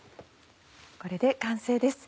これで完成です。